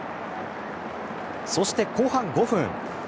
そして、後半５分。